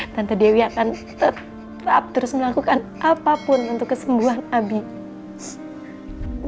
tentu dewi akan tetap terus melakukan apapun untuk kesembuhan abi